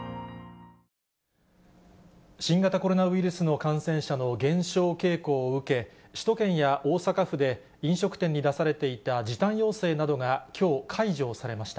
新型コロナウイルスの感染者の減少傾向を受け、首都圏や大阪府で、飲食店に出されていた時短要請などがきょう、解除されました。